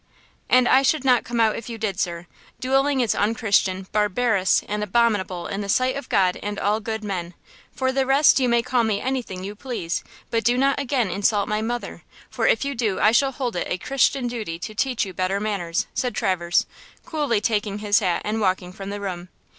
"And I should not come if you did, sir! Dueling is unchristian, barbarous and abominable in the sight of God and all good men. For the rest you may call me anything you please; but do not again insult my mother, for if you do I shall hold it a Christian duty to teach you better manners," said Traverse, coolly taking his hat and walking from the room.